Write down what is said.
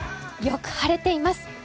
よく晴れています。